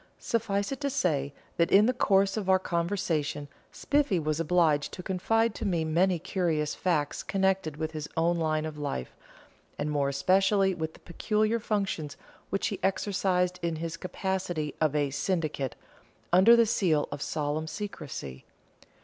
Suffice it to say, that in the course of our conversation Spiffy was obliged to confide to me many curious facts connected with his own line of life, and more especially with the peculiar functions which he exercised in his capacity of a "syndic," under the seal of solemn secrecy.